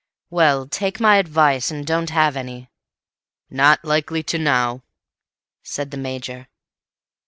"Well, take my advice, and don't have any." "Not likely to now," said the Major.